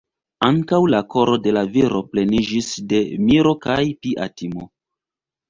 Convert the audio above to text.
Ankaŭ la koro de la viro pleniĝis de miro kaj pia timo.